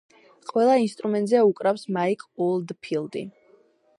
ყველა ინსტრუმენტზე უკრავს მაიკ ოლდფილდი.